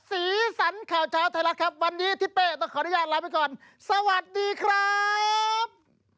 สีสรรข่าวเช้าไทยรัฐครับ